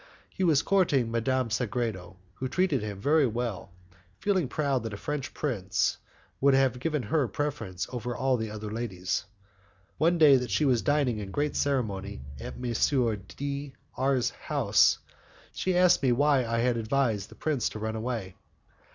He was courting Madame Sagredo, who treated him very well, feeling proud that a French prince should have given her the preference over all the other ladies. One day that she was dining in great ceremony at M. D R 's house, she asked me why I had advised the prince to run away.